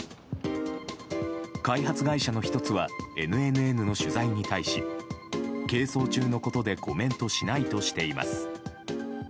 開発会社の１つはＮＮＮの取材に対し係争中のことでコメントしないとしています。